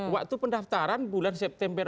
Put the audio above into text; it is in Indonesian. waktu pendaftaran bulan september